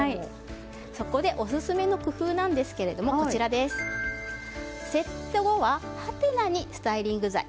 そこでオススメの工夫ですがセット後はハテナにスタイリング剤。